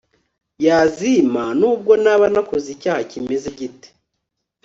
yazimpa nubwo naba nakoze icyaha kimeze gite